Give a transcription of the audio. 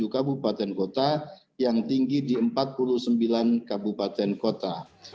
tujuh kabupaten kota yang tinggi di empat puluh sembilan kabupaten kota